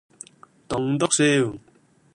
棟篤笑